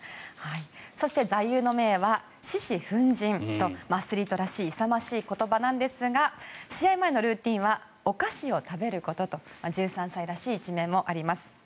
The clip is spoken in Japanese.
そして、座右の銘は獅子奮迅とアスリートらしい勇ましい言葉なんですが試合前のルーティンはお菓子を食べることと１３歳らしい一面もあります。